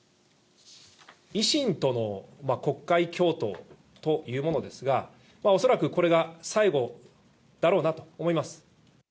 維新との国会共闘というものですが、恐らくこれが最後だろうなと思います。